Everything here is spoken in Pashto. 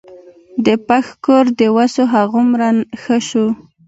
د پښ کور چې وسو هغومره ښه سو.